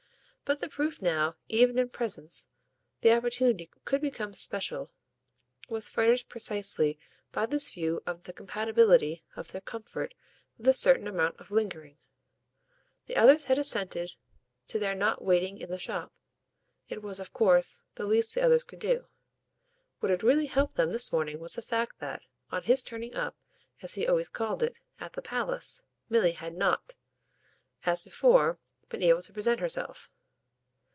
But the proof how, even in presence, the opportunity could become special was furnished precisely by this view of the compatibility of their comfort with a certain amount of lingering. The others had assented to their not waiting in the shop; it was of course the least the others could do. What had really helped them this morning was the fact that, on his turning up, as he always called it, at the palace, Milly had not, as before, been able to present herself.